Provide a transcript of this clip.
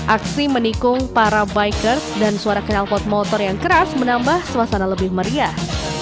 aksi menikung para bikers dan suara kenalpot motor yang keras menambah suasana lebih meriah